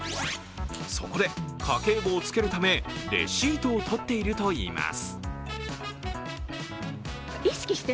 そこで家計簿をつけるため、レシートをとっているといいます。